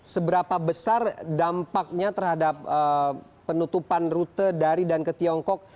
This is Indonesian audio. seberapa besar dampaknya terhadap penutupan rute dari dan ke tiongkok